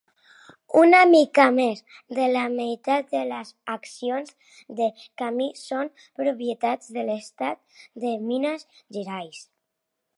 Una mica més de la meitat de les accions de Cemig són propietat de l'estat de Minas Gerais.